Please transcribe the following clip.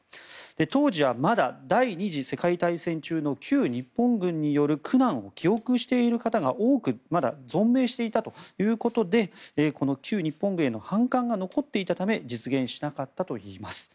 当時はまだ第２次世界大戦中の旧日本軍による苦難を記憶している方が多くまだ存命していたということでこの旧日本軍への反感が残っていたため実現しなかったといいます。